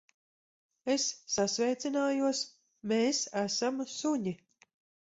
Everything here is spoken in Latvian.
Es sasveicinājos. Mēs esam suņi.